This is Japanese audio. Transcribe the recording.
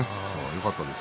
よかったです。